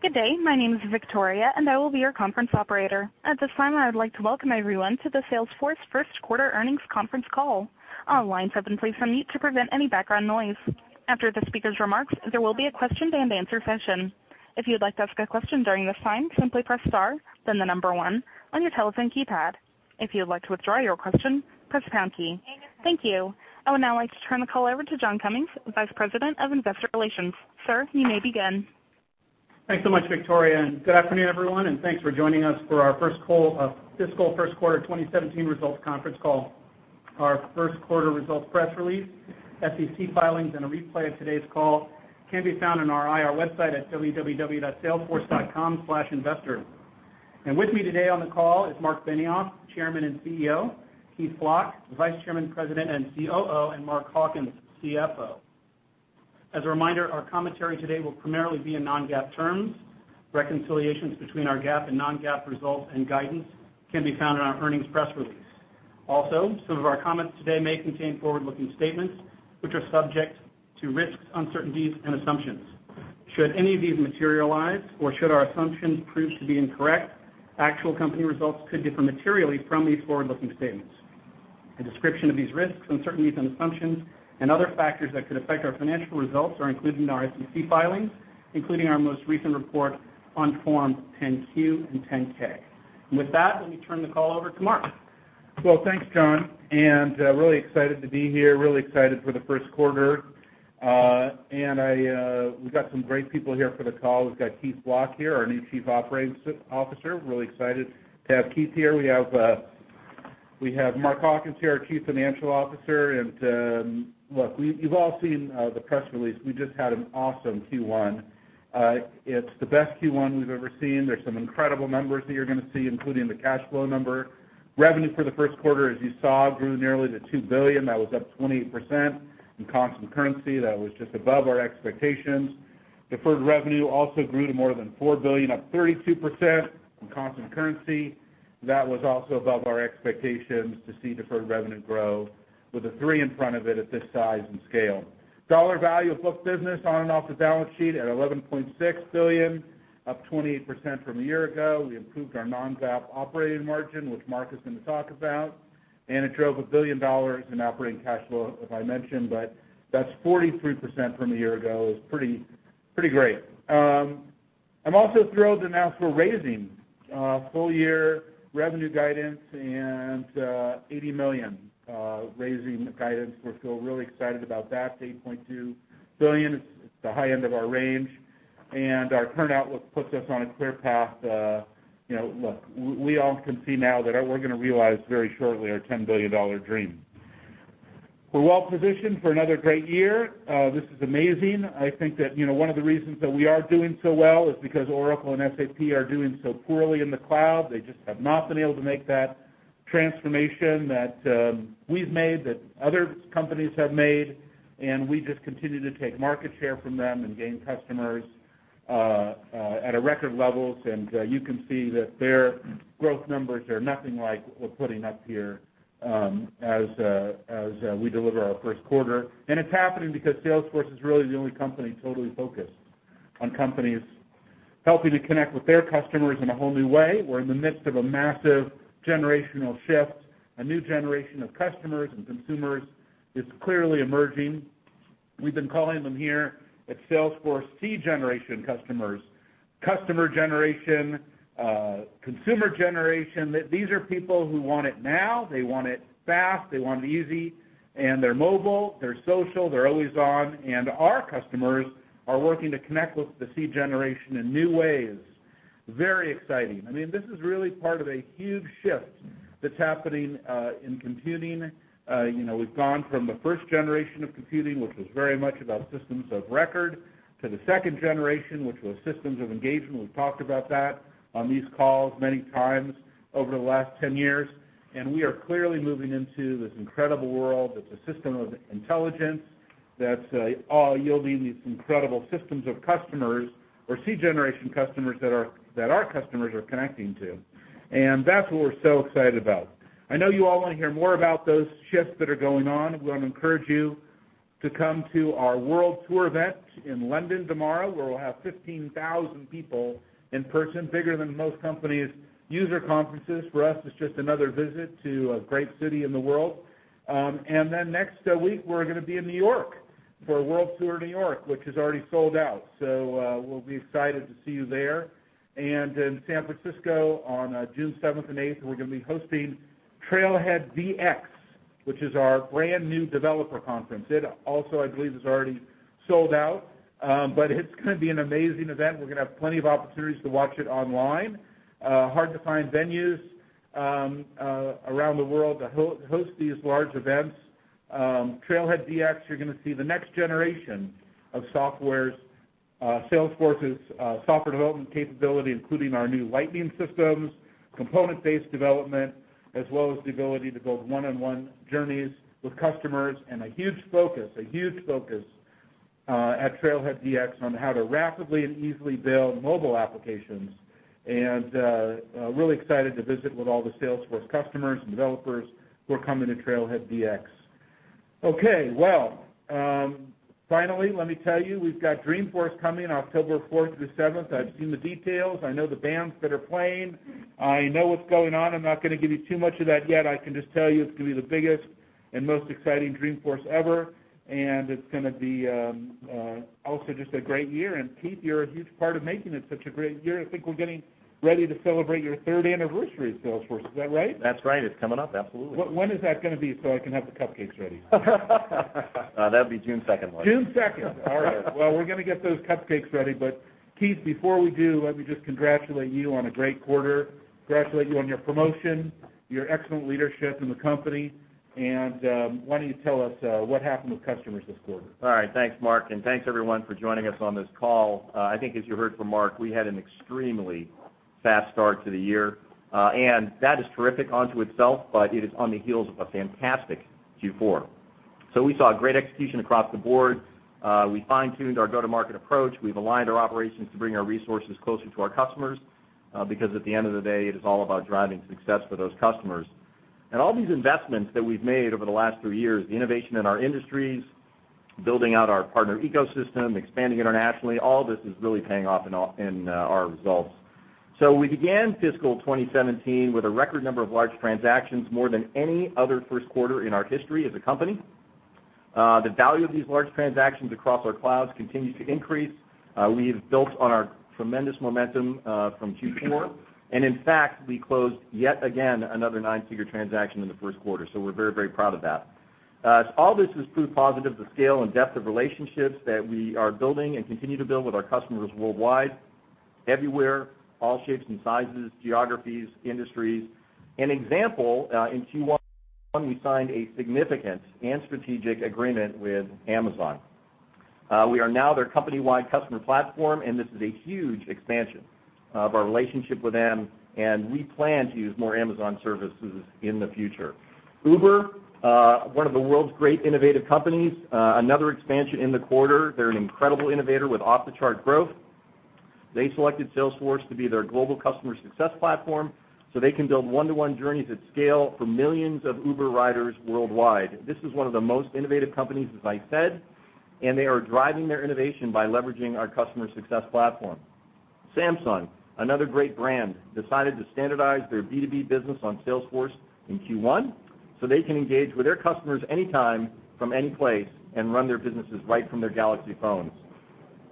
Good day. My name is Victoria, and I will be your conference operator. At this time, I would like to welcome everyone to the Salesforce first quarter earnings conference call. All lines have been placed on mute to prevent any background noise. After the speakers' remarks, there will be a question-and-answer session. If you would like to ask a question during this time, simply press star, then the number one on your telephone keypad. If you would like to withdraw your question, press pound key. Thank you. I would now like to turn the call over to John Cummings, Vice President of Investor Relations. Sir, you may begin. Thanks so much, Victoria, and good afternoon, everyone, and thanks for joining us for our fiscal first quarter 2017 results conference call. Our first quarter results press release, SEC filings, and a replay of today's call can be found on our IR website at www.salesforce.com/investor. With me today on the call is Marc Benioff, Chairman and CEO, Keith Block, Vice Chairman, President, and COO, and Mark Hawkins, CFO. As a reminder, our commentary today will primarily be in non-GAAP terms. Reconciliations between our GAAP and non-GAAP results and guidance can be found in our earnings press release. Some of our comments today may contain forward-looking statements, which are subject to risks, uncertainties, and assumptions. Should any of these materialize or should our assumptions prove to be incorrect, actual company results could differ materially from these forward-looking statements. A description of these risks, uncertainties, and assumptions, and other factors that could affect our financial results are included in our SEC filings, including our most recent report on Forms 10-Q and 10-K. With that, let me turn the call over to Marc. Thanks, John, really excited to be here. Really excited for the first quarter. We got some great people here for the call. We've got Keith Block here, our new Chief Operating Officer. Really excited to have Keith here. We have Mark Hawkins here, our Chief Financial Officer. You've all seen the press release. We just had an awesome Q1. It's the best Q1 we've ever seen. There's some incredible numbers that you're going to see, including the cash flow number. Revenue for the first quarter, as you saw, grew nearly to $2 billion. That was up 28% in constant currency. That was just above our expectations. Deferred revenue also grew to more than $4 billion, up 32% in constant currency. That was also above our expectations to see deferred revenue grow with a three in front of it at this size and scale. Dollar value of booked business on and off the balance sheet at $11.6 billion, up 28% from a year ago. We improved our non-GAAP operating margin, which Mark is going to talk about. It drove $1 billion in operating cash flow, as I mentioned, but that's 43% from a year ago, is pretty great. I'm also thrilled to announce we're raising full-year revenue guidance and $80 million. Raising the guidance, we feel really excited about that, to $8.2 billion. It's the high end of our range, and our current outlook puts us on a clear path. Look, we all can see now that we're going to realize very shortly our $10 billion dream. We're well-positioned for another great year. This is amazing. I think that one of the reasons that we are doing so well is because Oracle and SAP are doing so poorly in the cloud. They just have not been able to make that transformation that we've made, that other companies have made. We just continue to take market share from them and gain customers at record levels. You can see that their growth numbers are nothing like we're putting up here as we deliver our first quarter. It's happening because Salesforce is really the only company totally focused on companies helping to connect with their customers in a whole new way. We're in the midst of a massive generational shift. A new generation of customers and consumers is clearly emerging. We've been calling them here at Salesforce C-generation customers, customer generation, consumer generation. These are people who want it now, they want it fast, they want it easy, and they're mobile, they're social, they're always on. Our customers are working to connect with the C-generation in new ways. Very exciting. This is really part of a huge shift that's happening in computing. We've gone from the first generation of computing, which was very much about systems of record, to the second generation, which was systems of engagement. We've talked about that on these calls many times over the last 10 years. We are clearly moving into this incredible world. It's a system of intelligence that's all yielding these incredible systems of customers or C-generation customers that our customers are connecting to. That's what we're so excited about. I know you all want to hear more about those shifts that are going on. We want to encourage you to come to our World Tour event in London tomorrow, where we'll have 15,000 people in person, bigger than most companies' user conferences. For us, it's just another visit to a great city in the world. Next week, we're going to be in New York for World Tour New York, which is already sold out. We'll be excited to see you there. In San Francisco on June 7th and 8th, we're going to be hosting Trailhead DX, which is our brand-new developer conference. It also, I believe, is already sold out. It's going to be an amazing event. We're going to have plenty of opportunities to watch it online. Hard-to-find venues around the world to host these large events. Trailhead DX, you're going to see the next generation of Salesforce's software development capability, including our new Lightning systems, component-based development, as well as the ability to build one-on-one journeys with customers, and a huge focus at Trailhead DX on how to rapidly and easily build mobile applications. Really excited to visit with all the Salesforce customers and developers who are coming to Trailhead DX. Okay. Well, finally, let me tell you, we've got Dreamforce coming October 4th through 7th. I've seen the details. I know the bands that are playing. I know what's going on. I'm not going to give you too much of that yet. I can just tell you it's going to be the biggest and most exciting Dreamforce ever, and it's going to be also just a great year. Keith, you're a huge part of making it such a great year. I think we're getting ready to celebrate your third anniversary at Salesforce. Is that right? That's right. It's coming up. Absolutely. When is that going to be so I can have the cupcakes ready? That'd be June 2nd, Marc. June 2nd. Yes. All right. Well, we're going to get those cupcakes ready. Keith, before we do, let me just congratulate you on a great quarter, congratulate you on your promotion, your excellent leadership in the company, and why don't you tell us what happened with customers this quarter? All right. Thanks, Marc, and thanks, everyone, for joining us on this call. I think as you heard from Marc, we had an extremely fast start to the year. That is terrific unto itself, but it is on the heels of a fantastic Q4. We saw great execution across the board. We fine-tuned our go-to-market approach. We've aligned our operations to bring our resources closer to our customers, because at the end of the day, it is all about driving success for those customers. All these investments that we've made over the last three years, the innovation in our industries, building out our partner ecosystem, expanding internationally, all this is really paying off in our results. We began fiscal 2017 with a record number of large transactions, more than any other first quarter in our history as a company. The value of these large transactions across our clouds continues to increase. We've built on our tremendous momentum from Q4, and in fact, we closed yet again another nine-figure transaction in the first quarter. We're very proud of that. All this is proof positive the scale and depth of relationships that we are building and continue to build with our customers worldwide, everywhere, all shapes and sizes, geographies, industries. An example, in Q1, we signed a significant and strategic agreement with Amazon. We are now their company-wide customer platform, and this is a huge expansion of our relationship with them, and we plan to use more Amazon services in the future. Uber, one of the world's great innovative companies, another expansion in the quarter. They're an incredible innovator with off-the-chart growth. They selected Salesforce to be their global customer success platform so they can build one-to-one journeys at scale for millions of Uber riders worldwide. This is one of the most innovative companies, as I said, and they are driving their innovation by leveraging our customer success platform. Samsung, another great brand, decided to standardize their B2B business on Salesforce in Q1 so they can engage with their customers anytime from any place and run their businesses right from their Galaxy phones.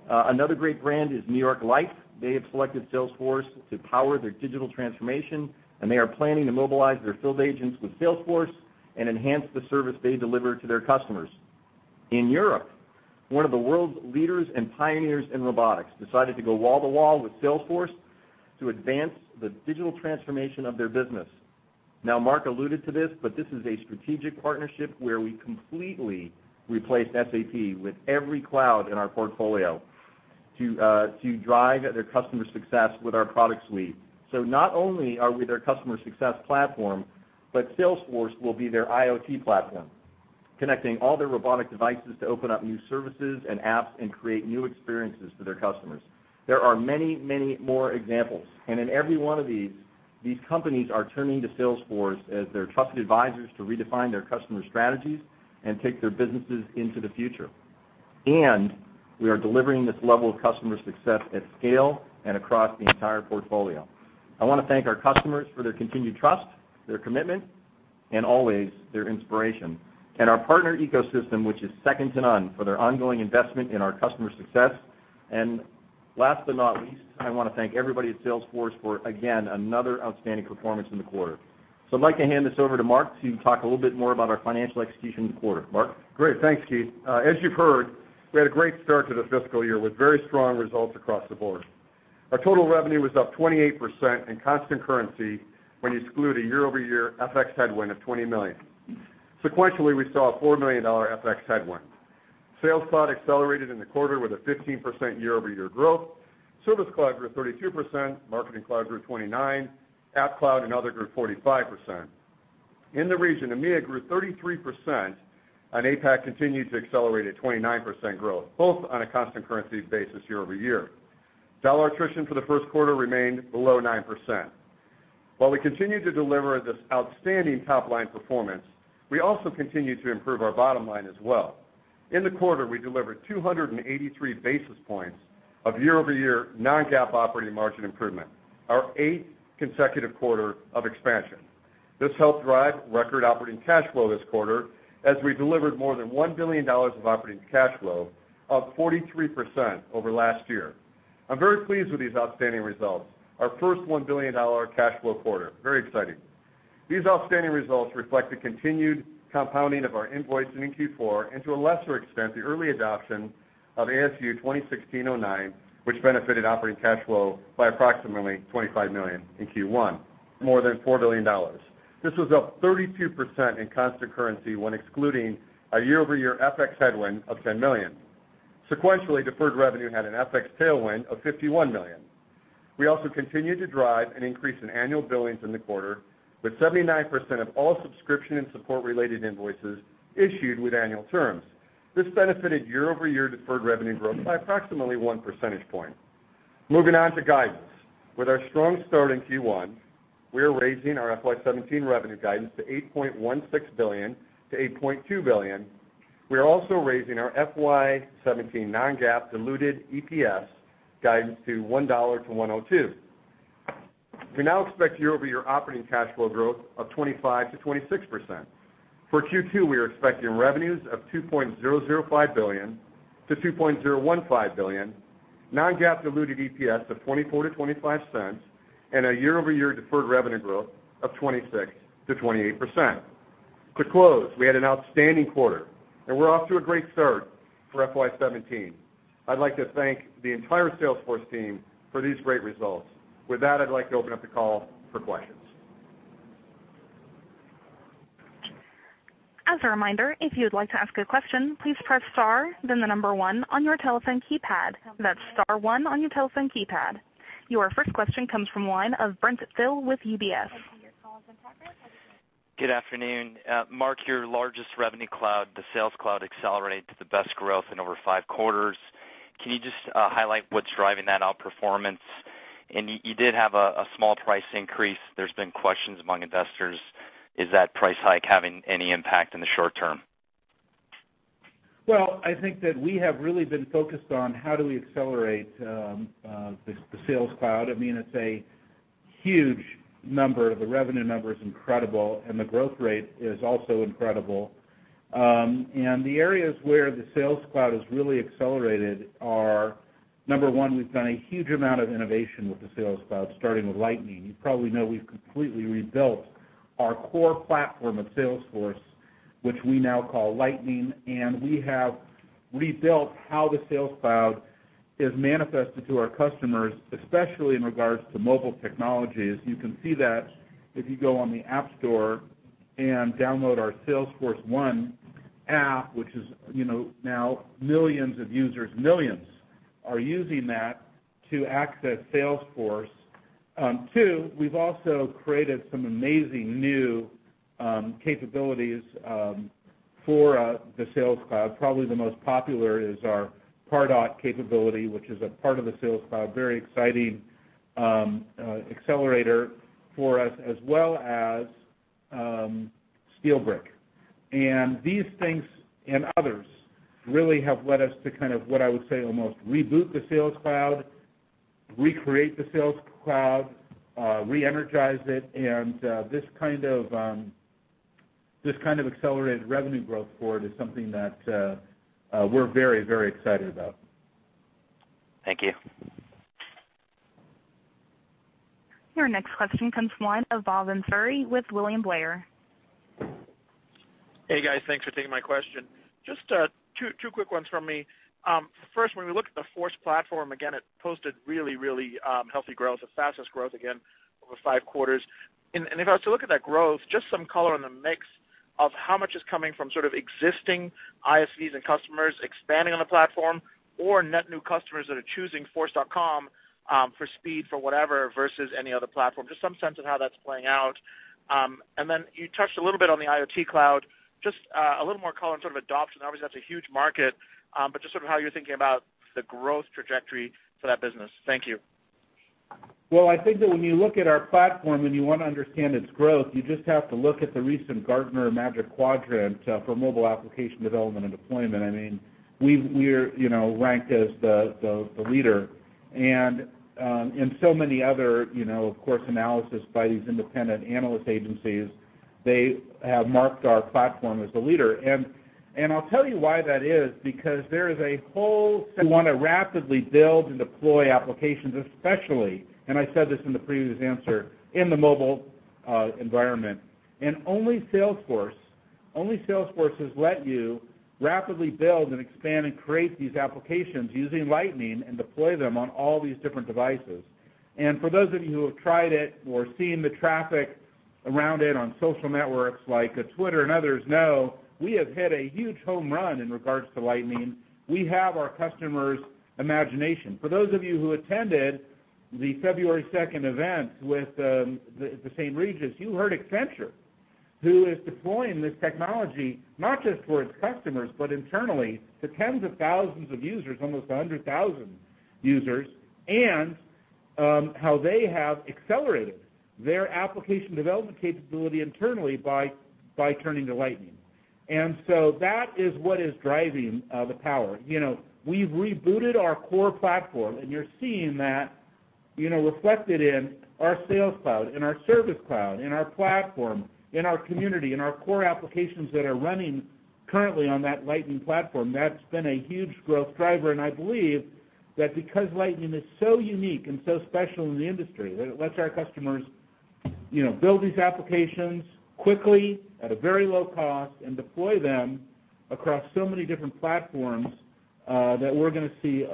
Another great brand is New York Life. They have selected Salesforce to power their digital transformation, and they are planning to mobilize their field agents with Salesforce and enhance the service they deliver to their customers. In Europe, one of the world's leaders and pioneers in robotics decided to go wall to wall with Salesforce to advance the digital transformation of their business. Marc alluded to this. This is a strategic partnership where we completely replaced SAP with every cloud in our portfolio to drive their customer success with our product suite. Not only are we their customer success platform, but Salesforce will be their IoT platform, connecting all their robotic devices to open up new services and apps and create new experiences for their customers. There are many more examples, and in every one of these companies are turning to Salesforce as their trusted advisors to redefine their customer strategies and take their businesses into the future. We are delivering this level of customer success at scale and across the entire portfolio. I want to thank our customers for their continued trust, their commitment, and always their inspiration. Our partner ecosystem, which is second to none for their ongoing investment in our customer success. Last but not least, I want to thank everybody at Salesforce for, again, another outstanding performance in the quarter. I'd like to hand this over to Marc to talk a little bit more about our financial execution in the quarter. Marc? Great. Thanks, Keith. As you've heard, we had a great start to the fiscal year with very strong results across the board. Our total revenue was up 28% in constant currency when you exclude a year-over-year FX headwind of $20 million. Sequentially, we saw a $4 million FX headwind. Sales Cloud accelerated in the quarter with a 15% year-over-year growth. Service Cloud grew 32%, Marketing Cloud grew 29%, App Cloud and other grew 45%. In the region, EMEA grew 33%, and APAC continued to accelerate at 29% growth, both on a constant currency basis year-over-year. Dollar attrition for the first quarter remained below 9%. While we continue to deliver this outstanding top-line performance, we also continue to improve our bottom line as well. In the quarter, we delivered 283 basis points of year-over-year non-GAAP operating margin improvement, our eighth consecutive quarter of expansion. This helped drive record operating cash flow this quarter as we delivered more than $1 billion of operating cash flow, up 43% over last year. I'm very pleased with these outstanding results, our first $1 billion cash flow quarter. Very exciting. These outstanding results reflect the continued compounding of our invoicing in Q4, and to a lesser extent, the early adoption of ASU 2016-09, which benefited operating cash flow by approximately $25 million in Q1. More than $4 billion. This was up 32% in constant currency when excluding a year-over-year FX headwind of $10 million. Sequentially, deferred revenue had an FX tailwind of $51 million. We also continued to drive an increase in annual billings in the quarter, with 79% of all subscription and support related invoices issued with annual terms. This benefited year-over-year deferred revenue growth by approximately one percentage point. Moving on to guidance. With our strong start in Q1, we are raising our FY 2017 revenue guidance to $8.16 billion-$8.2 billion. We are also raising our FY 2017 non-GAAP diluted EPS guidance to $1-$1.02. We now expect year-over-year operating cash flow growth of 25%-26%. For Q2, we are expecting revenues of $2.005 billion-$2.015 billion, non-GAAP diluted EPS of $0.24-$0.25, and a year-over-year deferred revenue growth of 26%-28%. To close, we had an outstanding quarter, and we're off to a great start for FY 2017. I'd like to thank the entire Salesforce team for these great results. With that, I'd like to open up the call for questions. As a reminder, if you would like to ask a question, please press star, then the number one on your telephone keypad. That's star one on your telephone keypad. Your first question comes from the line of Brent Thill with UBS. Good afternoon. Mark, your largest revenue cloud, the Sales Cloud accelerated to the best growth in over five quarters. Can you just highlight what's driving that outperformance? You did have a small price increase. There's been questions among investors, is that price hike having any impact in the short term? Well, I think that we have really been focused on how do we accelerate the Sales Cloud. It's a huge number. The revenue number is incredible, and the growth rate is also incredible. The areas where the Sales Cloud has really accelerated are, number one, we've done a huge amount of innovation with the Sales Cloud, starting with Lightning. You probably know we've completely rebuilt our core platform of Salesforce, which we now call Lightning, and we have rebuilt how the Sales Cloud is manifested to our customers, especially in regards to mobile technologies. You can see that if you go on the App Store and download our Salesforce1 app, which is now millions of users are using that to access Salesforce. Two, we've also created some amazing new capabilities for the Sales Cloud. Probably the most popular is our Pardot capability, which is a part of the Sales Cloud. Very exciting accelerator for us, as well as SteelBrick. These things and others really have led us to kind of what I would say almost reboot the Sales Cloud, recreate the Sales Cloud, re-energize it, and this kind of accelerated revenue growth forward is something that we're very excited about. Thank you. Your next question comes from the line of Bhavan Suri with William Blair. Hey, guys. Thanks for taking my question. Just two quick ones from me. First, when we look at the Force platform, again, it posted really healthy growth, the fastest growth again over five quarters. If I was to look at that growth, just some color on the mix of how much is coming from sort of existing ISVs and customers expanding on the platform or net new customers that are choosing Force.com, for speed, for whatever, versus any other platform. Just some sense of how that's playing out. Then you touched a little bit on the IoT Cloud, just a little more color on sort of adoption. Obviously, that's a huge market, but just sort of how you're thinking about the growth trajectory for that business. Thank you. Well, I think that when you look at our platform, you want to understand its growth, you just have to look at the recent Gartner Magic Quadrant for mobile application development and deployment. We're ranked as the leader. So many other of course, analysis by these independent analyst agencies, they have marked our platform as the leader. I'll tell you why that is, because there is a whole, who want to rapidly build and deploy applications, especially, I said this in the previous answer, in the mobile environment. Only Salesforce has let you rapidly build and expand and create these applications using Lightning and deploy them on all these different devices. For those of you who have tried it or seen the traffic around it on social networks like Twitter and others know, we have hit a huge home run in regards to Lightning. We have our customers' imagination. For those of you who attended the February 2nd event with the St. Regis, you heard Accenture, who is deploying this technology not just for its customers, but internally to tens of thousands of users, almost 100,000 users, and how they have accelerated their application development capability internally by turning to Lightning. So that is what is driving the power. We've rebooted our core platform, and you're seeing that reflected in our Sales Cloud, in our Service Cloud, in our platform, in our community, in our core applications that are running currently on that Lightning Platform. That's been a huge growth driver, and I believe that because Lightning is so unique and so special in the industry, that it lets our customers build these applications quickly at a very low cost and deploy them across so many different platforms, that we're going to see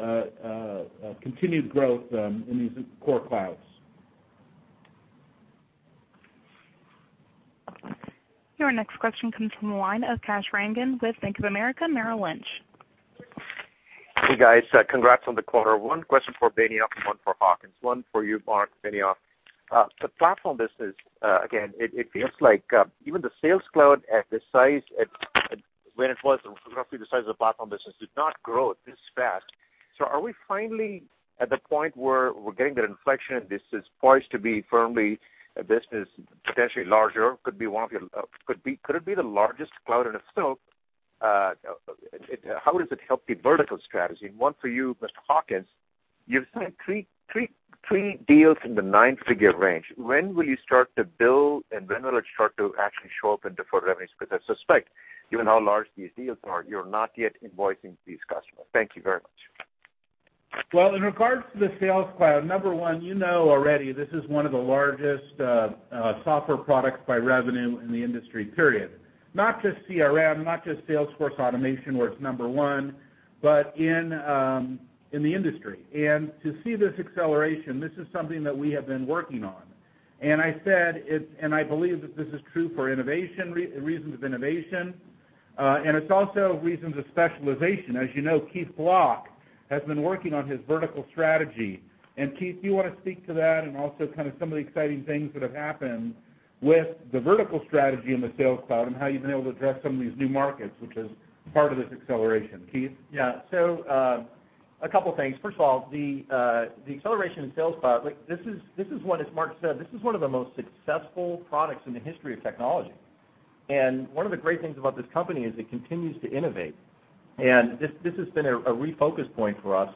continued growth in these core clouds. Your next question comes from the line of Kash Rangan with Bank of America Merrill Lynch. Hey, guys. Congrats on the quarter. One question for Marc Benioff and one for Hawkins. One for you, Marc Benioff. The platform business, again, it feels like even the Sales Cloud at this size, when it was roughly the size of the platform business, did not grow this fast. Are we finally at the point where we're getting that inflection, and this is poised to be firmly a business potentially larger, could it be the largest cloud in itself? How does it help the vertical strategy? One for you, Mr. Hawkins, you've signed three deals in the nine-figure range. When will you start to bill, and when will it start to actually show up in deferred revenues? Because I suspect, given how large these deals are, you're not yet invoicing these customers. Thank you very much. Well, in regards to the Sales Cloud, number 1, you know already this is one of the largest software products by revenue in the industry, period. Not just CRM, not just Salesforce automation, where it's number 1, but in the industry. To see this acceleration, this is something that we have been working on. I said, and I believe that this is true for reasons of innovation, and it's also reasons of specialization. As you know, Keith Block has been working on his vertical strategy. Keith, do you want to speak to that and also some of the exciting things that have happened with the vertical strategy in the Sales Cloud, and how you've been able to address some of these new markets, which is part of this acceleration. Keith? First of all, the acceleration in Sales Cloud, as Marc said, this is one of the most successful products in the history of technology. One of the great things about this company is it continues to innovate. This has been a refocus point for us,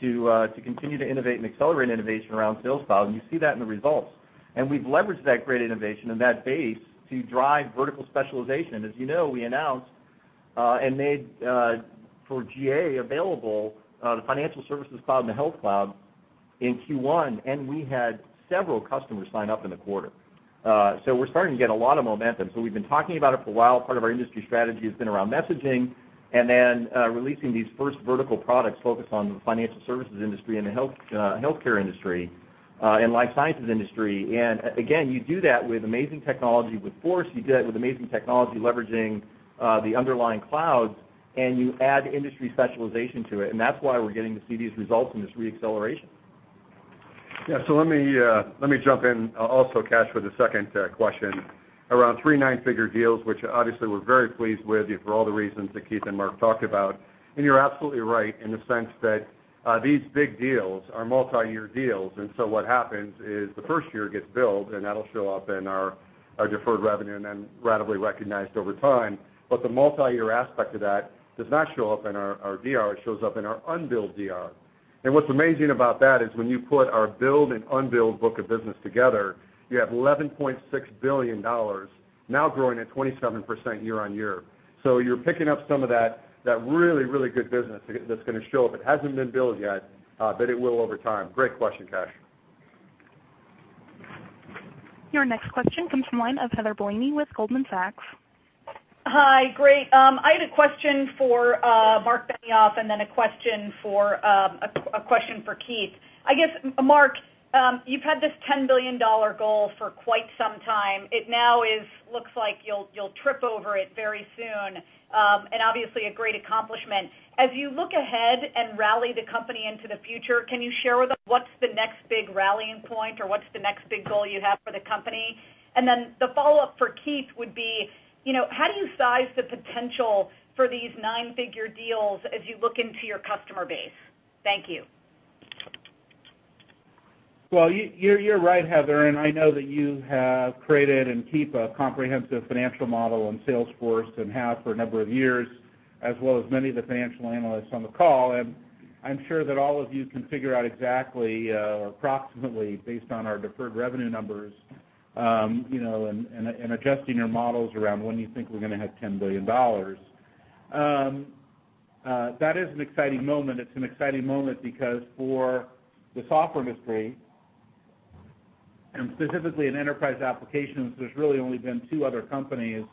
to continue to innovate and accelerate innovation around Sales Cloud, and you see that in the results. We've leveraged that great innovation and that base to drive vertical specialization. As you know, we announced, and made for GA available, the Financial Services Cloud and the Health Cloud in Q1, and we had several customers sign up in the quarter. We're starting to get a lot of momentum. We've been talking about it for a while. Part of our industry strategy has been around messaging, then releasing these first vertical products focused on the financial services industry and the healthcare industry, and life sciences industry. Again, you do that with amazing technology. With Force, you did it with amazing technology leveraging the underlying clouds, and you add industry specialization to it, and that's why we're getting to see these results and this re-acceleration. Let me jump in also, Kash, for the second question. Around three nine-figure deals, which obviously we're very pleased with for all the reasons that Keith and Marc talked about. You're absolutely right in the sense that these big deals are multi-year deals. What happens is the first year gets billed, and that'll show up in our deferred revenue, then ratably recognized over time. The multi-year aspect of that does not show up in our DR, it shows up in our unbilled DR. What's amazing about that is when you put our billed and unbilled book of business together, you have $11.6 billion, now growing at 27% year-over-year. You're picking up some of that really good business that's going to show up. It hasn't been billed yet, but it will over time. Great question, Kash. Your next question comes from the line of Heather Bellini with Goldman Sachs. Hi. Great. I had a question for Marc Benioff, then a question for Keith. I guess, Marc, you've had this $10 billion goal for quite some time. It now looks like you'll trip over it very soon, and obviously a great accomplishment. As you look ahead and rally the company into the future, can you share with us what's the next big rallying point, or what's the next big goal you have for the company? Then the follow-up for Keith would be, how do you size the potential for these nine-figure deals as you look into your customer base? Thank you. Well, you're right, Heather, I know that you have created and keep a comprehensive financial model on Salesforce, and have for a number of years, as well as many of the financial analysts on the call. I'm sure that all of you can figure out exactly, or approximately, based on our deferred revenue numbers, and adjusting your models around when you think we're going to hit $10 billion. That is an exciting moment. It's an exciting moment because for the software industry, and specifically in enterprise applications, there's really only been two other companies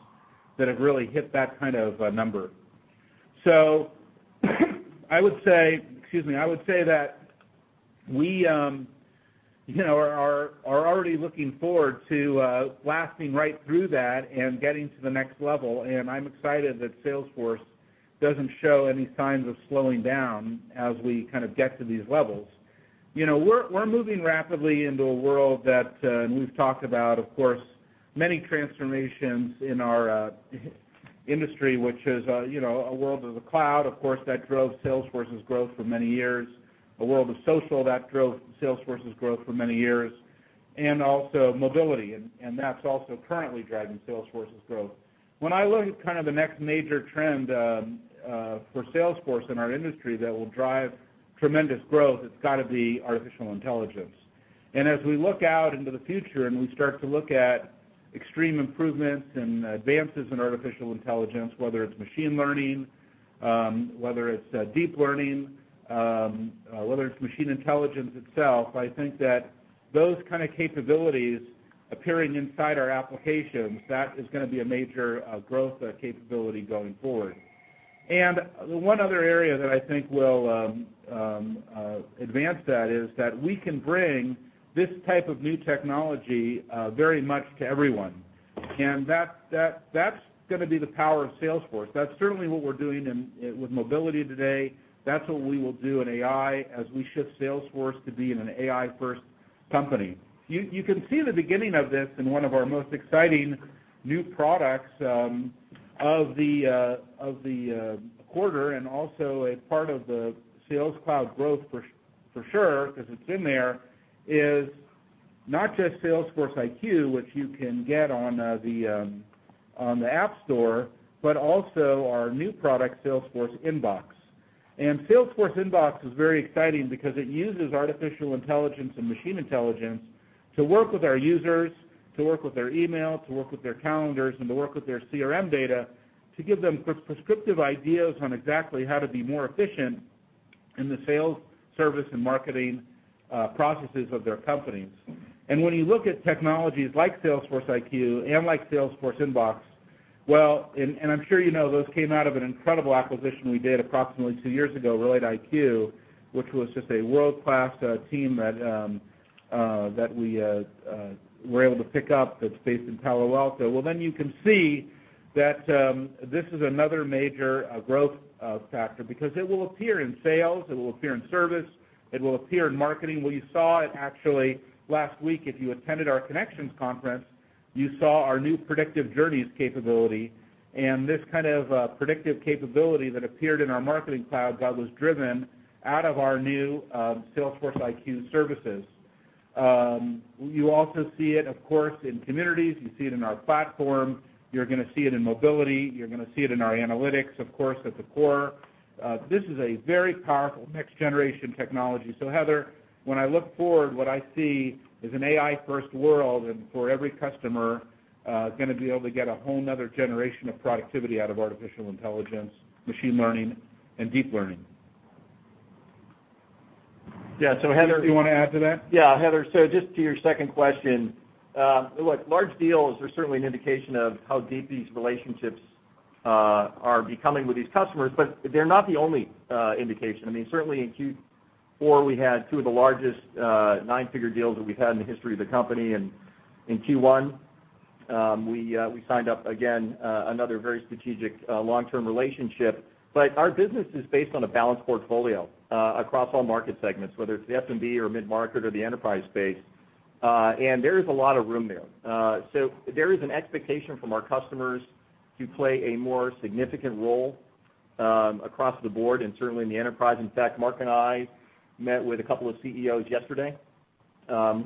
that have really hit that kind of number. I would say that we are already looking forward to lasting right through that and getting to the next level, and I'm excited that Salesforce doesn't show any signs of slowing down as we get to these levels. We're moving rapidly into a world that, we've talked about, of course, many transformations in our industry, which is a world of the cloud, of course, that drove Salesforce's growth for many years, a world of social that drove Salesforce's growth for many years, and also mobility, and that's also currently driving Salesforce's growth. When I look at the next major trend for Salesforce in our industry that will drive tremendous growth, it's got to be artificial intelligence. As we look out into the future, and we start to look at extreme improvements and advances in artificial intelligence, whether it's machine learning, whether it's deep learning, whether it's machine intelligence itself, I think that those kind of capabilities appearing inside our applications, that is going to be a major growth capability going forward. The one other area that I think will advance that is that we can bring this type of new technology very much to everyone. That's going to be the power of Salesforce. That's certainly what we're doing with mobility today. That's what we will do in AI as we shift Salesforce to be an AI-first company. You can see the beginning of this in one of our most exciting new products of the quarter, and also a part of the Sales Cloud growth for sure, because it's in there, is not just Salesforce IQ, which you can get on the App Store, but also our new product, Salesforce Inbox. Salesforce Inbox is very exciting because it uses artificial intelligence and machine intelligence to work with our users, to work with their email, to work with their calendars, and to work with their CRM data to give them prescriptive ideas on exactly how to be more efficient in the sales, service, and marketing processes of their companies. When you look at technologies like Salesforce IQ and like Salesforce Inbox, well, and I'm sure you know those came out of an incredible acquisition we did approximately two years ago, RelateIQ, which was just a world-class team that we were able to pick up that's based in Palo Alto. Then you can see that this is another major growth factor because it will appear in sales, it will appear in service, it will appear in marketing. You saw it actually last week, if you attended our Connections conference, you saw our new Predictive Journeys capability. This kind of predictive capability that appeared in our Marketing Cloud but was driven out of our new Salesforce IQ services. You also see it, of course, in communities. You see it in our platform. You're going to see it in mobility. You're going to see it in our analytics, of course, at the core. This is a very powerful next-generation technology. Heather, when I look forward, what I see is an AI-first world and for every customer going to be able to get a whole another generation of productivity out of artificial intelligence, machine learning, and deep learning. Yeah. Heather. You want to add to that? Yeah, Heather, just to your second question. Look, large deals are certainly an indication of how deep these relationships are becoming with these customers, but they're not the only indication. Certainly in Q4, we had two of the largest nine-figure deals that we've had in the history of the company, and in Q1, we signed up again another very strategic long-term relationship. Our business is based on a balanced portfolio across all market segments, whether it's the SMB or mid-market or the enterprise space. There is a lot of room there. There is an expectation from our customers to play a more significant role across the board and certainly in the enterprise. In fact, Mark and I met with a couple of CEOs yesterday,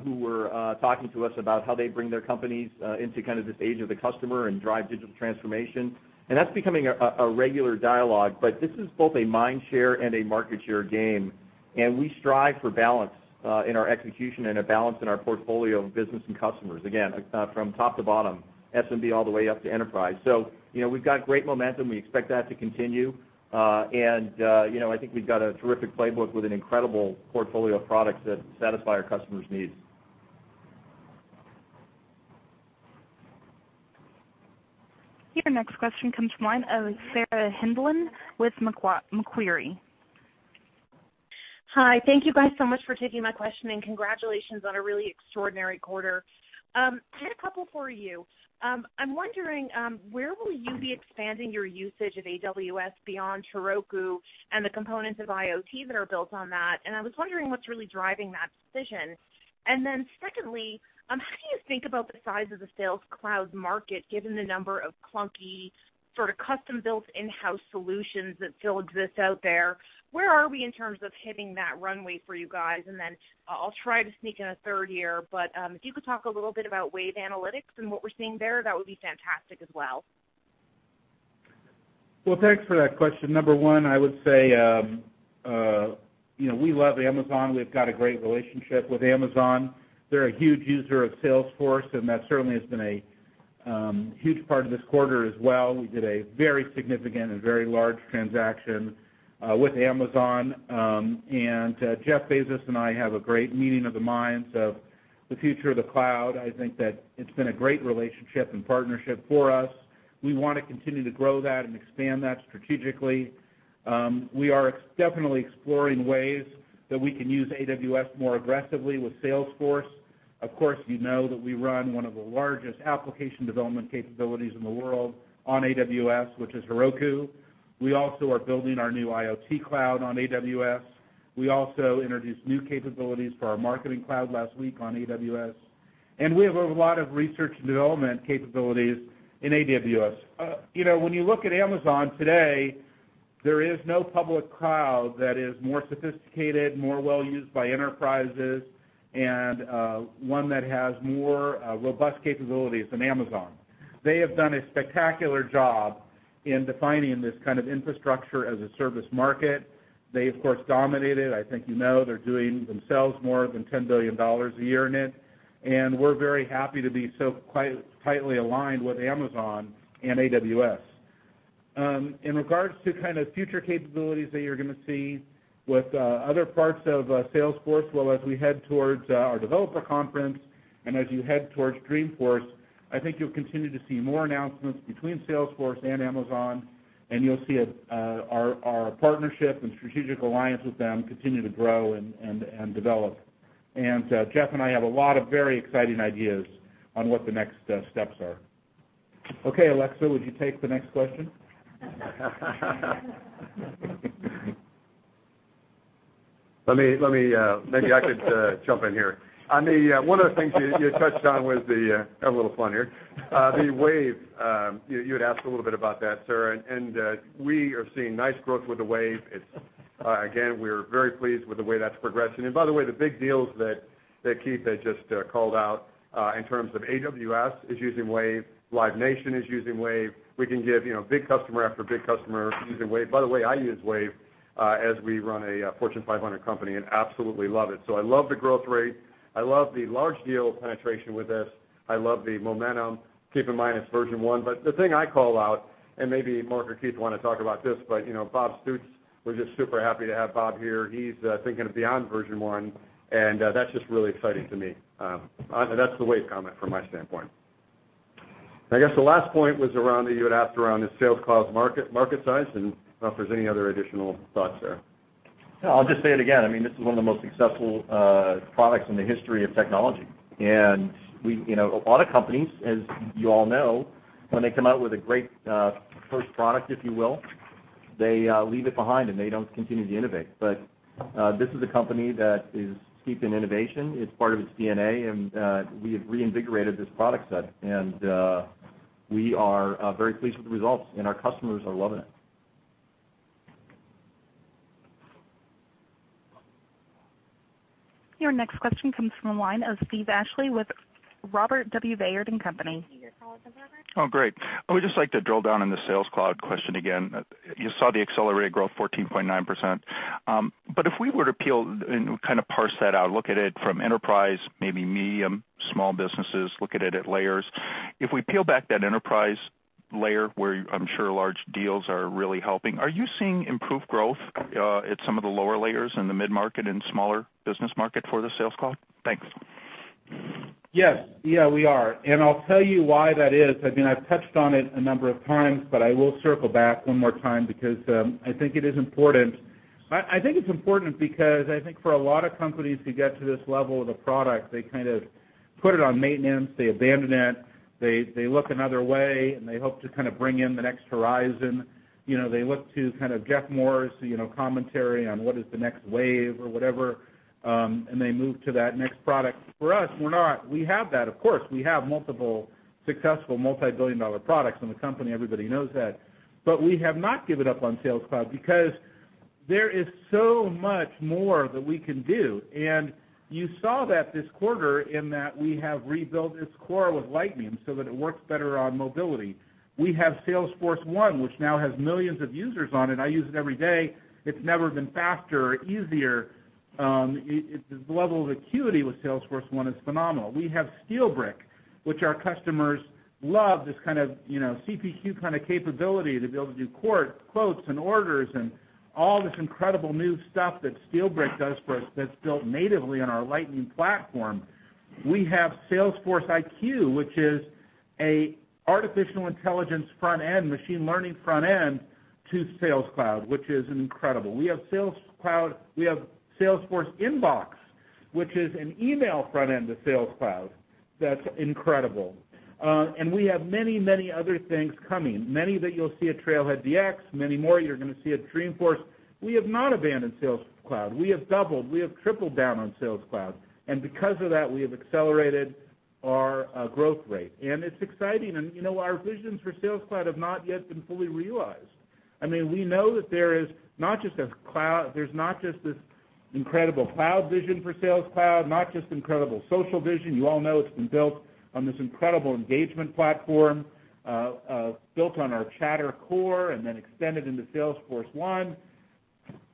who were talking to us about how they bring their companies into this age of the customer and drive digital transformation. That's becoming a regular dialogue, this is both a mind share and a market share game, we strive for balance in our execution and a balance in our portfolio of business and customers, again, from top to bottom, SMB all the way up to enterprise. We've got great momentum. We expect that to continue. I think we've got a terrific playbook with an incredible portfolio of products that satisfy our customers' needs. Your next question comes from the line of Sarah Hindlian with Macquarie. Hi. Thank you guys so much for taking my question. Congratulations on a really extraordinary quarter. I had a couple for you. I'm wondering, where will you be expanding your usage of AWS beyond Heroku and the components of IoT that are built on that? I was wondering what's really driving that decision. Secondly, how do you think about the size of the Sales Cloud market given the number of clunky, sort of custom-built in-house solutions that still exist out there? Where are we in terms of hitting that runway for you guys? I'll try to sneak in a third here, but if you could talk a little bit about Wave Analytics and what we're seeing there, that would be fantastic as well. Well, thanks for that question. Number one, I would say, we love Amazon. We've got a great relationship with Amazon. They're a huge user of Salesforce, and that certainly has been a huge part of this quarter as well. We did a very significant and very large transaction with Amazon. Jeff Bezos and I have a great meeting of the minds of the future of the cloud. I think that it's been a great relationship and partnership for us. We want to continue to grow that and expand that strategically. We are definitely exploring ways that we can use AWS more aggressively with Salesforce. Of course, you know that we run one of the largest application development capabilities in the world on AWS, which is Heroku. We also are building our new IoT Cloud on AWS. We also introduced new capabilities for our Marketing Cloud last week on AWS. We have a lot of research and development capabilities in AWS. When you look at Amazon today, there is no public cloud that is more sophisticated, more well-used by enterprises, and one that has more robust capabilities than Amazon. They have done a spectacular job in defining this kind of infrastructure as a service market. They, of course, dominate it. I think you know they're doing themselves more than $10 billion a year in it, and we're very happy to be so tightly aligned with Amazon and AWS. In regards to future capabilities that you're going to see with other parts of Salesforce, well, as we head towards our developer conference and as you head towards Dreamforce, I think you'll continue to see more announcements between Salesforce and Amazon, and you'll see our partnership and strategic alliance with them continue to grow and develop. Jeff and I have a lot of very exciting ideas on what the next steps are. Okay, Alexa, would you take the next question? Maybe I could jump in here. One of the things you touched on was. Have a little fun here. The Wave, you had asked a little bit about that, sir, and we are seeing nice growth with the Wave. Again, we are very pleased with the way that's progressing. By the way, the big deals that Keith had just called out in terms of AWS is using Wave, Live Nation is using Wave. We can give big customer after big customer using Wave. By the way, I use Wave as we run a Fortune 500 company and absolutely love it. I love the growth rate. I love the large deal penetration with this. I love the momentum. Keep in mind it's version one. The thing I call out, and maybe Mark or Keith want to talk about this, Bob Stutz, we're just super happy to have Bob here. He's thinking of beyond version one, and that's just really exciting to me. That's the Wave comment from my standpoint. I guess the last point was around, you had asked around the Sales Cloud market size, and I don't know if there's any other additional thoughts there. No, I'll just say it again. This is one of the most successful products in the history of technology. A lot of companies, as you all know, when they come out with a great first product, if you will, they leave it behind, and they don't continue to innovate. This is a company that is steeped in innovation. It's part of its DNA, and we have reinvigorated this product set. We are very pleased with the results, and our customers are loving it. Your next question comes from the line of Steve Ashley with Robert W. Baird & Co. Your call is unmuted. Oh, great. I would just like to drill down in the Sales Cloud question again. You saw the accelerated growth, 14.9%. If we were to peel and kind of parse that out, look at it from enterprise, maybe medium, small businesses, look at it at layers. If we peel back that enterprise layer where I'm sure large deals are really helping, are you seeing improved growth at some of the lower layers in the mid-market and smaller business market for the Sales Cloud? Thanks. Yes. Yeah, we are. I'll tell you why that is. I've touched on it a number of times. I will circle back one more time because I think it is important. I think it's important because I think for a lot of companies to get to this level with a product, they kind of put it on maintenance, they abandon it, they look another way, and they hope to kind of bring in the next horizon. They look to kind of Geoffrey Moore's commentary on what is the next wave or whatever. They move to that next product. For us, we're not. We have that, of course. We have multiple successful multibillion-dollar products in the company. Everybody knows that. We have not given up on Sales Cloud because there is so much more that we can do. You saw that this quarter in that we have rebuilt its core with Lightning so that it works better on mobility. We have Salesforce1, which now has millions of users on it. I use it every day. It's never been faster or easier. The level of acuity with Salesforce1 is phenomenal. We have SteelBrick, which our customers love this kind of CPQ kind of capability to be able to do quotes and orders and all this incredible new stuff that SteelBrick does for us that's built natively on our Lightning platform. We have Salesforce IQ, which is an artificial intelligence front end, machine learning front end to Sales Cloud, which is incredible. We have Salesforce Inbox, which is an email front end to Sales Cloud that's incredible. We have many other things coming. Many that you'll see at Trailhead DX, many more you're going to see at Dreamforce. We have not abandoned Sales Cloud. We have doubled, we have tripled down on Sales Cloud. Because of that, we have accelerated our growth rate. It's exciting. Our visions for Sales Cloud have not yet been fully realized. We know that there's not just this incredible cloud vision for Sales Cloud, not just incredible social vision. You all know it's been built on this incredible engagement platform, built on our Chatter core. Then extended into Salesforce1.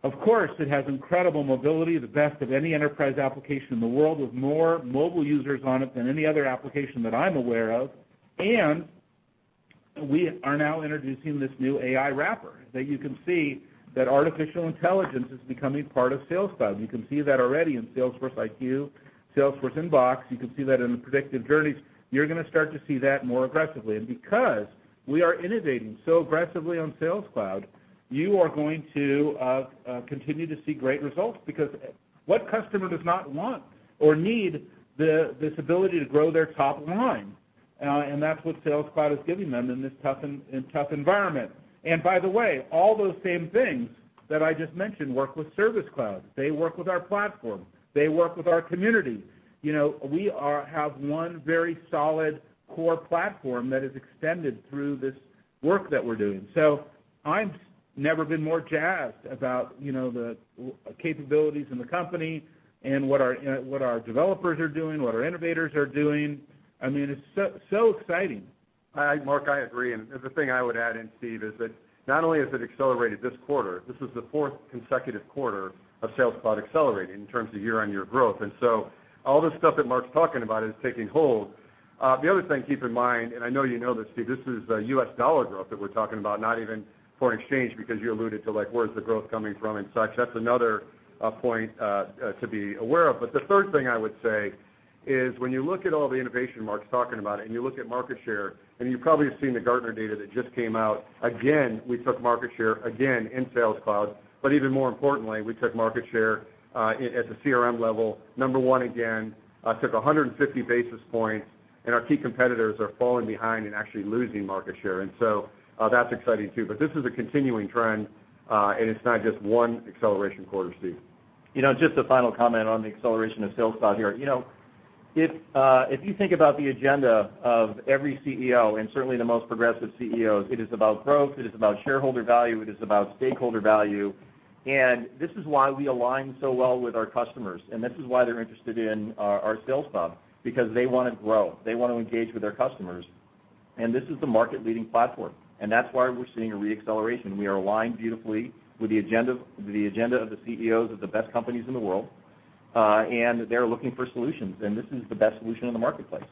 Of course, it has incredible mobility, the best of any enterprise application in the world, with more mobile users on it than any other application that I'm aware of. We are now introducing this new AI wrapper that you can see that artificial intelligence is becoming part of Sales Cloud. You can see that already in Salesforce IQ, Salesforce Inbox. You can see that in the Predictive Journeys. You're going to start to see that more aggressively. Because we are innovating so aggressively on Sales Cloud, you are going to continue to see great results because what customer does not want or need this ability to grow their top line? That's what Sales Cloud is giving them in this tough environment. By the way, all those same things that I just mentioned work with Service Cloud. They work with our platform. They work with our community. We have one very solid core platform that is extended through this work that we're doing. I've never been more jazzed about the capabilities in the company and what our developers are doing, what our innovators are doing. It's so exciting. Mark, I agree. The thing I would add in, Steve, is that not only has it accelerated this quarter, this is the fourth consecutive quarter of Sales Cloud accelerating in terms of year-on-year growth. So all this stuff that Mark's talking about is taking hold. The other thing, keep in mind, and I know you know this, Steve, this is U.S. dollar growth that we're talking about, not even foreign exchange, because you alluded to, like, where's the growth coming from and such. That's another point to be aware of. The third thing I would say is when you look at all the innovation Mark's talking about, and you look at market share, and you've probably seen the Gartner data that just came out. Again, we took market share again in Sales Cloud, but even more importantly, we took market share at the CRM level. Number one again, took 150 basis points, and our key competitors are falling behind and actually losing market share. So that's exciting, too. This is a continuing trend, and it's not just one acceleration quarter, Steve. Just a final comment on the acceleration of Sales Cloud here. If you think about the agenda of every CEO and certainly the most progressive CEOs, it is about growth, it is about shareholder value, it is about stakeholder value. This is why we align so well with our customers, and this is why they're interested in our Sales Cloud, because they want to grow. They want to engage with their customers. This is the market-leading platform, and that's why we're seeing a re-acceleration. We are aligned beautifully with the agenda of the CEOs of the best companies in the world, and they're looking for solutions, and this is the best solution in the marketplace.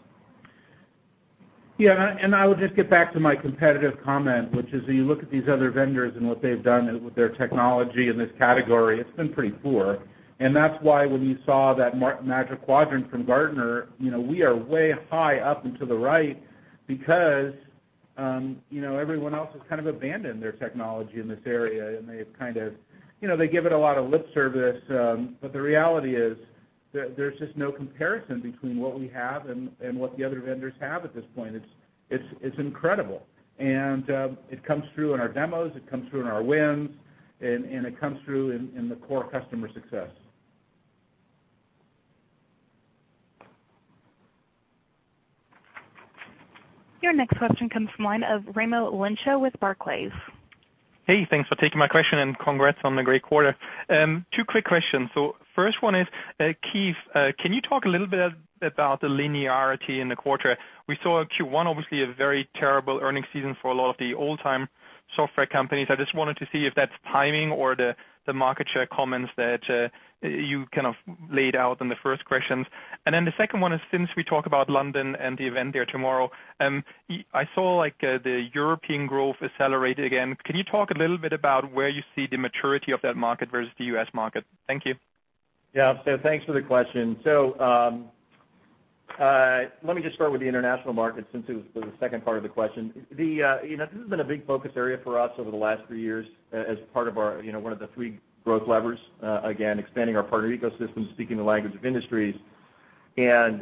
Yeah, I would just get back to my competitive comment, which is, when you look at these other vendors and what they've done with their technology in this category, it's been pretty poor. That's why when you saw that Magic Quadrant from Gartner, we are way high up and to the right because everyone else has kind of abandoned their technology in this area, and they give it a lot of lip service. The reality is that there's just no comparison between what we have and what the other vendors have at this point. It's incredible. It comes through in our demos, it comes through in our wins, and it comes through in the core customer success. Your next question comes from the line of Raimo Lenschow with Barclays. Hey, thanks for taking my question, and congrats on the great quarter. Two quick questions. First one is, Keith, can you talk a little bit about the linearity in the quarter? We saw Q1, obviously, a very terrible earnings season for a lot of the old-time software companies. I just wanted to see if that's timing or the market share comments that you kind of laid out in the first questions. The second one is, since we talk about London and the event there tomorrow, I saw the European growth accelerated again. Can you talk a little bit about where you see the maturity of that market versus the U.S. market? Thank you. Yeah. Thanks for the question. Let me just start with the international market since it was the second part of the question. This has been a big focus area for us over the last three years as part of one of the three growth levers, again, expanding our partner ecosystem, speaking the language of industries, and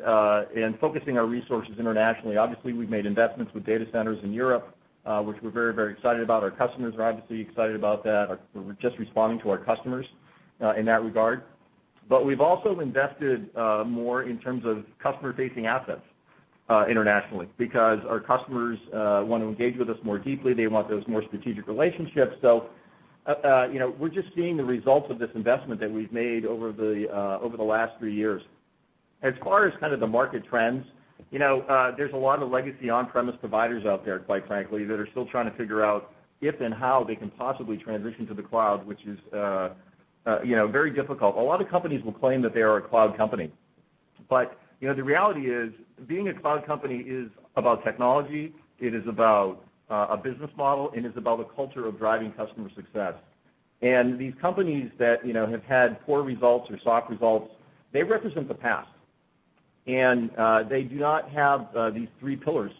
focusing our resources internationally. Obviously, we've made investments with data centers in Europe, which we're very excited about. Our customers are obviously excited about that. We're just responding to our customers in that regard. We've also invested more in terms of customer-facing assets internationally because our customers want to engage with us more deeply. They want those more strategic relationships. We're just seeing the results of this investment that we've made over the last three years. As far as the market trends, there's a lot of legacy on-premise providers out there, quite frankly, that are still trying to figure out if and how they can possibly transition to the cloud, which is very difficult. A lot of companies will claim that they are a cloud company, but the reality is, being a cloud company is about technology, it is about a business model, and it's about a culture of driving customer success. These companies that have had poor results or soft results, they represent the past. They do not have these three pillars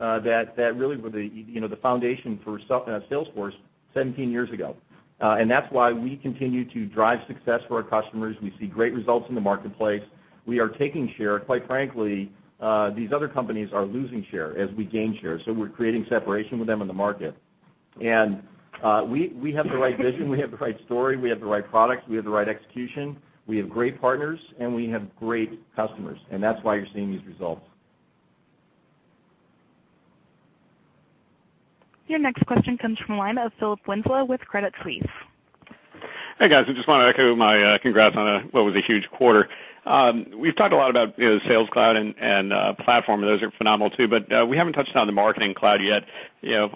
that really were the foundation for Salesforce 17 years ago. That's why we continue to drive success for our customers. We see great results in the marketplace. We are taking share. Quite frankly, these other companies are losing share as we gain share. We're creating separation with them in the market. We have the right vision, we have the right story, we have the right products, we have the right execution, we have great partners, and we have great customers, and that's why you're seeing these results. Your next question comes from the line of Philip Winslow with Credit Suisse. Hey, guys. I just want to echo my congrats on what was a huge quarter. We've talked a lot about Sales Cloud and Platform, and those are phenomenal too. We haven't touched on the Marketing Cloud yet.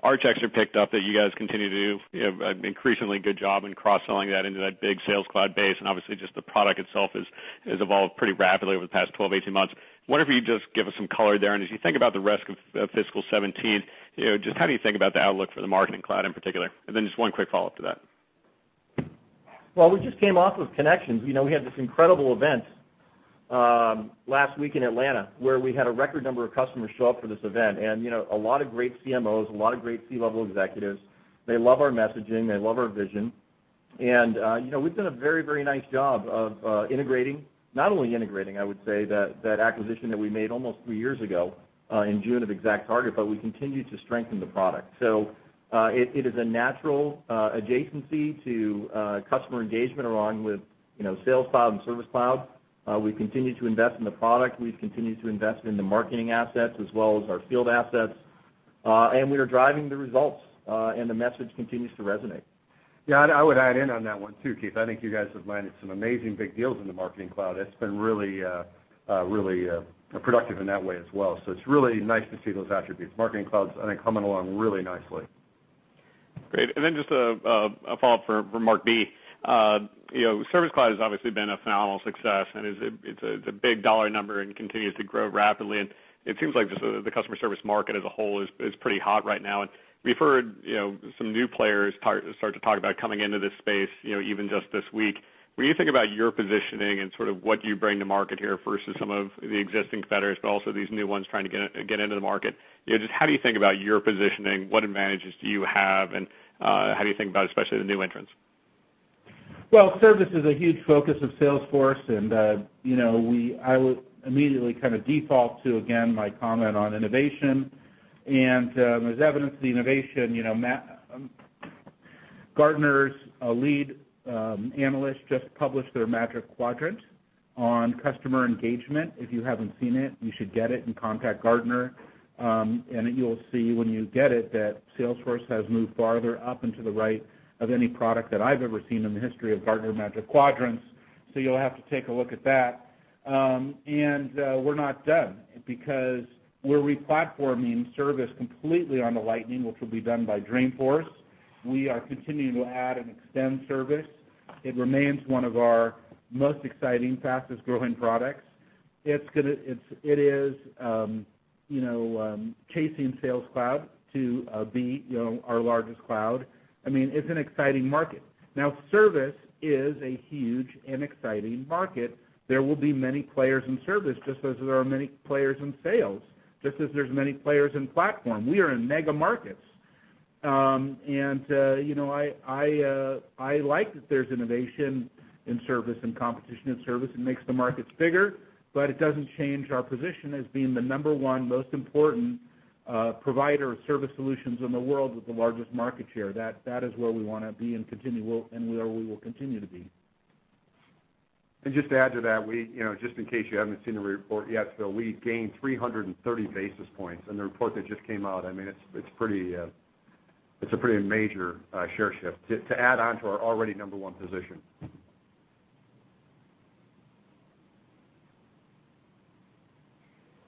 Our checks are picked up that you guys continue to do an increasingly good job in cross-selling that into that big Sales Cloud base, and obviously, just the product itself has evolved pretty rapidly over the past 12, 18 months. Wonder if you could just give us some color there, and as you think about the rest of fiscal 2017, just how do you think about the outlook for the Marketing Cloud in particular? Then just one quick follow-up to that. Well, we just came off of Connections. We had this incredible event last week in Atlanta, where we had a record number of customers show up for this event, and a lot of great CMOs, a lot of great C-level executives. They love our messaging, they love our vision, and we've done a very nice job of integrating, not only integrating, I would say, that acquisition that we made almost three years ago in June of ExactTarget, but we continue to strengthen the product. It is a natural adjacency to customer engagement along with Sales Cloud and Service Cloud. We've continued to invest in the product, we've continued to invest in the marketing assets as well as our field assets. We are driving the results, and the message continues to resonate. Yeah, I would add in on that one, too, Keith. I think you guys have landed some amazing big deals in the Marketing Cloud. It's been really productive in that way as well. It's really nice to see those attributes. Marketing Cloud's, I think, coming along really nicely. Great. Then just a follow-up for Marc B. Service Cloud has obviously been a phenomenal success, and it's a big dollar number and continues to grow rapidly. It seems like just the customer service market as a whole is pretty hot right now. We've heard some new players start to talk about coming into this space, even just this week. When you think about your positioning and sort of what you bring to market here versus some of the existing competitors, but also these new ones trying to get into the market, just how do you think about your positioning? What advantages do you have, and how do you think about especially the new entrants? Well, service is a huge focus of Salesforce, and I will immediately kind of default to, again, my comment on innovation. As evidence to the innovation, Gartner's lead analyst just published their Magic Quadrant on customer engagement. If you haven't seen it, you should get it and contact Gartner. You'll see when you get it that Salesforce has moved farther up and to the right of any product that I've ever seen in the history of Gartner Magic Quadrants. You'll have to take a look at that. We're not done, because we're replatforming service completely onto Lightning, which will be done by Dreamforce. We are continuing to add and extend service. It remains one of our most exciting, fastest-growing products. It is chasing Sales Cloud to be our largest cloud. It's an exciting market. Now, service is a huge and exciting market. There will be many players in service, just as there are many players in sales, just as there's many players in platform. We are in mega markets. I like that there's innovation in service and competition in service. It makes the markets bigger, but it doesn't change our position as being the number one most important provider of service solutions in the world with the largest market share. That is where we want to be and where we will continue to be. Just to add to that, just in case you haven't seen the report yet, Phil, we gained 330 basis points in the report that just came out. It's a pretty major share shift to add on to our already number one position.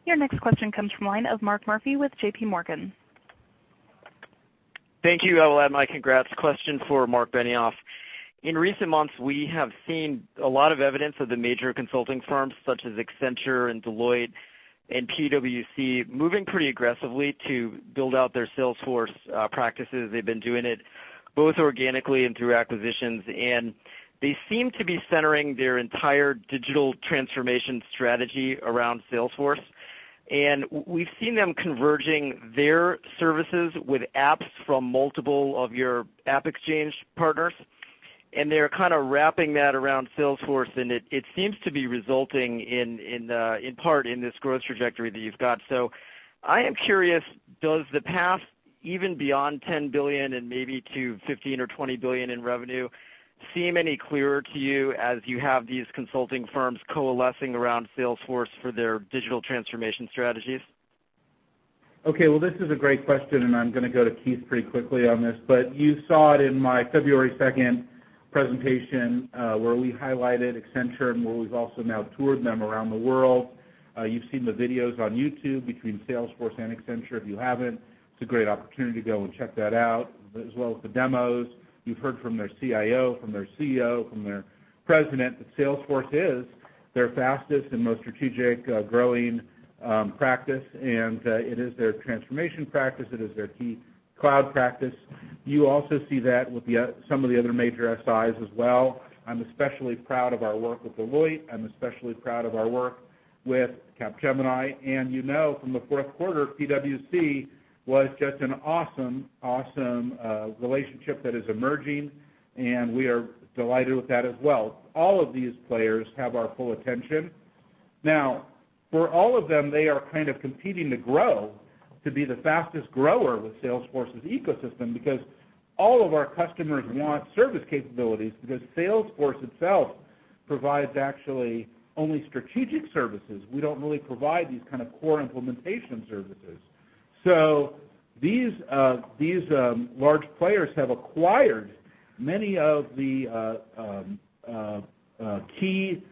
Your next question comes from the line of Mark Murphy with JPMorgan. Thank you. I will add my congrats. Question for Marc Benioff. In recent months, we have seen a lot of evidence of the major consulting firms such as Accenture, Deloitte, and PwC moving pretty aggressively to build out their Salesforce practices. They've been doing it both organically and through acquisitions, and they seem to be centering their entire digital transformation strategy around Salesforce. We've seen them converging their services with apps from multiple of your AppExchange partners, and they're kind of wrapping that around Salesforce, and it seems to be resulting in part in this growth trajectory that you've got. I am curious, does the path even beyond $10 billion and maybe to $15 billion or $20 billion in revenue seem any clearer to you as you have these consulting firms coalescing around Salesforce for their digital transformation strategies? This is a great question, and I'm going to go to Keith pretty quickly on this. You saw it in my February 2nd presentation, where we highlighted Accenture, and where we've also now toured them around the world. You've seen the videos on YouTube between Salesforce and Accenture. If you haven't, it's a great opportunity to go and check that out, as well as the demos. You've heard from their CIO, from their CEO, from their president, that Salesforce is their fastest and most strategic growing practice, and it is their transformation practice. It is their key cloud practice. You also see that with some of the other major SIs as well. I'm especially proud of our work with Deloitte. I'm especially proud of our work with Capgemini. You know from the fourth quarter, PwC was just an awesome relationship that is emerging, and we are delighted with that as well. All of these players have our full attention. Now, for all of them, they are kind of competing to grow to be the fastest grower with Salesforce's ecosystem because all of our customers want service capabilities, because Salesforce itself provides actually only strategic services. We don't really provide these kind of core implementation services. These large players have acquired many of the key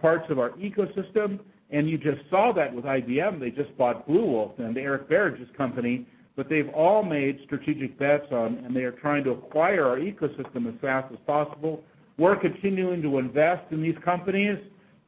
parts of our ecosystem. You just saw that with IBM. They just bought Bluewolf, Eric Berridge's company. But they've all made strategic bets on, and they are trying to acquire our ecosystem as fast as possible. We're continuing to invest in these companies,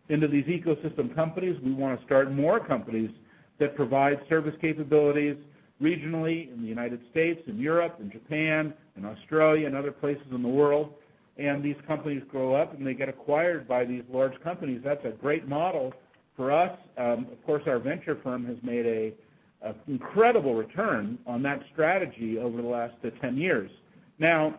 into these ecosystem companies. We want to start more companies that provide service capabilities regionally in the United States, in Europe, in Japan, in Australia, and other places in the world. These companies grow up, and they get acquired by these large companies. That's a great model for us. Of course, our venture firm has made an incredible return on that strategy over the last 10 years. Now,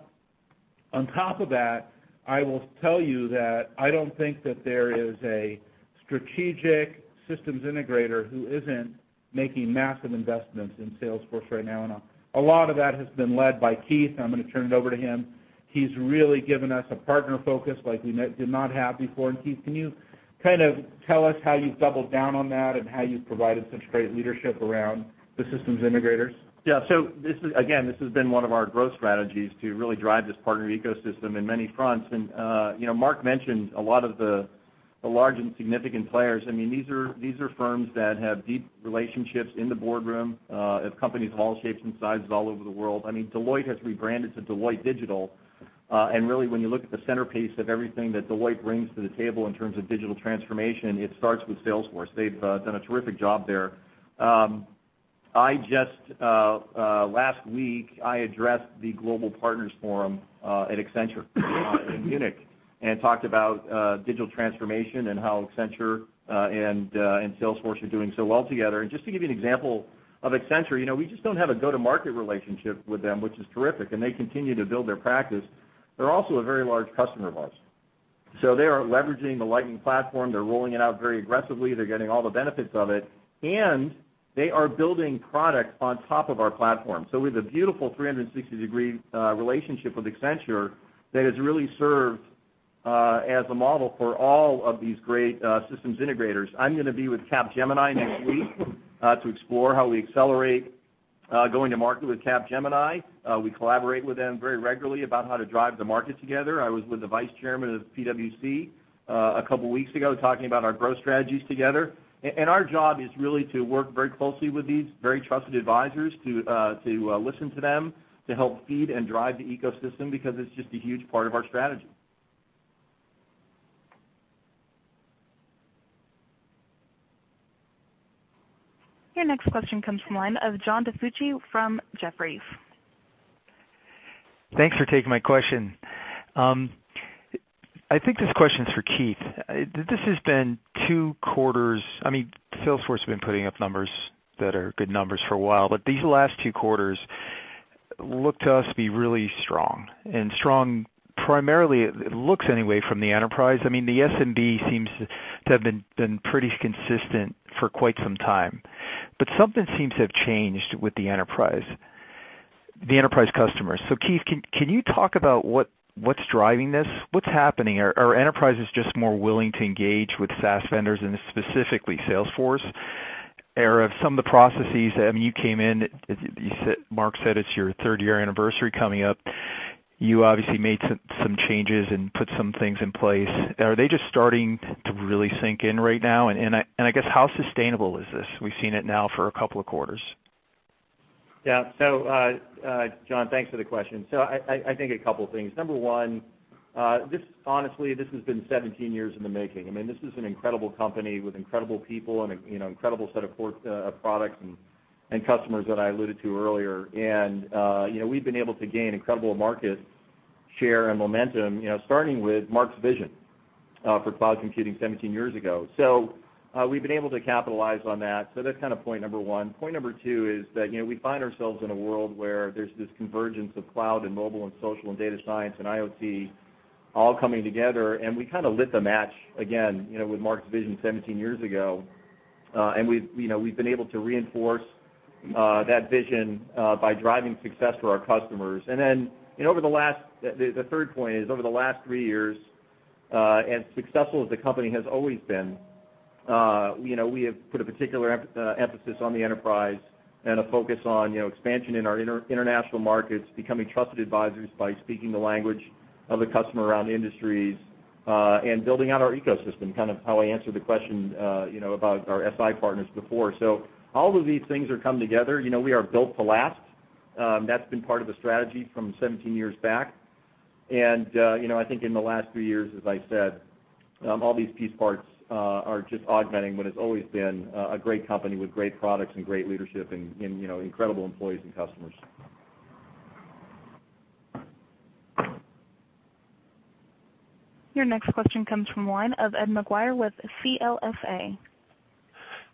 on top of that, I will tell you that I don't think that there is a strategic systems integrator who isn't making massive investments in Salesforce right now. A lot of that has been led by Keith. I'm going to turn it over to him. He's really given us a partner focus like we did not have before. Keith, can you kind of tell us how you've doubled down on that and how you've provided such great leadership around the systems integrators? Yeah. So again, this has been one of our growth strategies to really drive this partner ecosystem in many fronts. Marc mentioned a lot of the large and significant players. These are firms that have deep relationships in the boardroom of companies of all shapes and sizes all over the world. Deloitte has rebranded to Deloitte Digital, and really, when you look at the centerpiece of everything that Deloitte brings to the table in terms of digital transformation, it starts with Salesforce. They've done a terrific job there. Just last week, I addressed the Global Partners Forum at Accenture in Munich, and talked about digital transformation and how Accenture and Salesforce are doing so well together. Just to give you an example of Accenture, we just don't have a go-to-market relationship with them, which is terrific. They continue to build their practice. They're also a very large customer of ours. So they are leveraging the Lightning Platform. They're rolling it out very aggressively. They're getting all the benefits of it. They are building product on top of our platform. So we have a beautiful 360-degree relationship with Accenture that has really served as a model for all of these great systems integrators. I'm going to be with Capgemini next week to explore how we accelerate going to market with Capgemini. We collaborate with them very regularly about how to drive the market together. I was with the vice chairman of PwC a couple of weeks ago, talking about our growth strategies together. Our job is really to work very closely with these very trusted advisors, to listen to them, to help feed and drive the ecosystem, because it's just a huge part of our strategy. Your next question comes from the line of John DiFucci from Jefferies. Thanks for taking my question. I think this question is for Keith. This has been two quarters. Salesforce has been putting up numbers that are good numbers for a while, but these last two quarters look to us to be really strong. Strong primarily, it looks anyway, from the enterprise. The SMB seems to have been pretty consistent for quite some time. Something seems to have changed with the enterprise customers. Keith, can you talk about what's driving this? What's happening? Are enterprises just more willing to engage with SaaS vendors, and specifically Salesforce? Some of the processes, you came in, Marc said it's your third-year anniversary coming up. You obviously made some changes and put some things in place. Are they just starting to really sink in right now? I guess how sustainable is this? We've seen it now for a couple of quarters. Yeah. John, thanks for the question. I think a couple of things. Number one, honestly, this has been 17 years in the making. This is an incredible company with incredible people and an incredible set of products and customers that I alluded to earlier. We've been able to gain incredible market share and momentum, starting with Marc's vision for cloud computing 17 years ago. We've been able to capitalize on that. That's point number one. Point number two is that we find ourselves in a world where there's this convergence of cloud and mobile and social and data science and IoT all coming together. We kind of lit the match again, with Marc's vision 17 years ago. We've been able to reinforce that vision by driving success for our customers. The third point is, over the last three years, as successful as the company has always been, we have put a particular emphasis on the enterprise and a focus on expansion in our international markets, becoming trusted advisors by speaking the language of the customer around the industries, and building out our ecosystem, kind of how I answered the question about our SI partners before. All of these things are coming together. We are built to last. That's been part of the strategy from 17 years back. I think in the last few years, as I said, all these piece parts are just augmenting what has always been a great company with great products and great leadership, and incredible employees and customers. Your next question comes from the line of Ed Maquire with CLSA.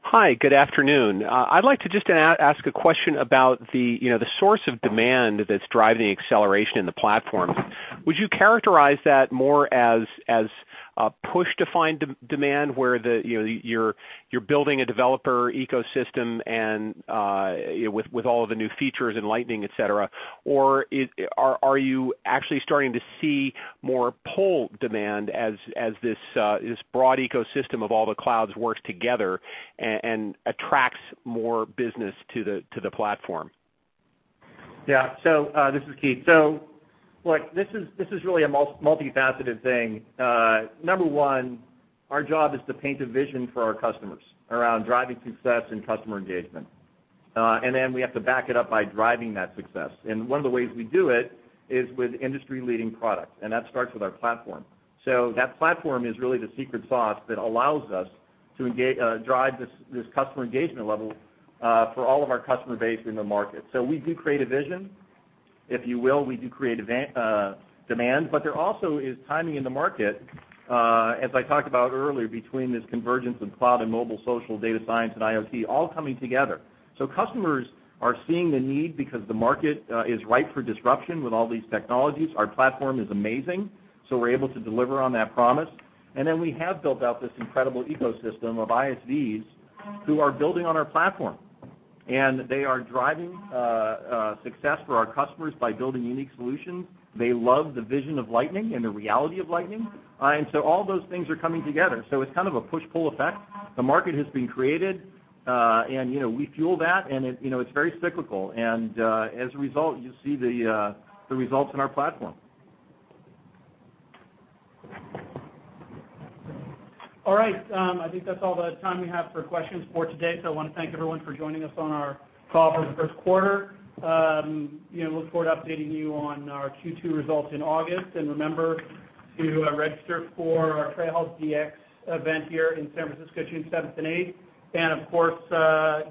Hi, good afternoon. I'd like to just ask a question about the source of demand that's driving the acceleration in the platform. Would you characterize that more as a push-defined demand, where you're building a developer ecosystem and with all of the new features in Lightning, et cetera? Or are you actually starting to see more pull demand as this broad ecosystem of all the clouds works together and attracts more business to the platform? This is Keith. Look, this is really a multifaceted thing. Number 1, our job is to paint a vision for our customers around driving success and customer engagement. Then we have to back it up by driving that success. One of the ways we do it is with industry-leading product. That starts with our platform. That platform is really the secret sauce that allows us to drive this customer engagement level for all of our customer base in the market. We do create a vision, if you will. We do create demand. There also is timing in the market, as I talked about earlier, between this convergence of cloud and mobile, social, data science, and IoT all coming together. Customers are seeing the need because the market is ripe for disruption with all these technologies. Our platform is amazing, we're able to deliver on that promise. Then we have built out this incredible ecosystem of ISVs who are building on our platform. They are driving success for our customers by building unique solutions. They love the vision of Lightning and the reality of Lightning. All those things are coming together. It's kind of a push-pull effect. The market has been created. We fuel that, and it's very cyclical. As a result, you see the results in our platform. I think that's all the time we have for questions for today. I want to thank everyone for joining us on our call for the first quarter. Look forward to updating you on our Q2 results in August. Remember to register for our Trailhead DX event here in San Francisco, June 7th and 8th. Of course,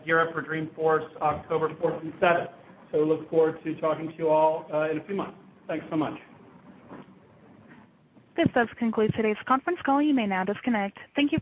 gear up for Dreamforce, October 4th through 7th. Look forward to talking to you all in a few months. Thanks so much. This does conclude today's conference call. You may now disconnect. Thank you.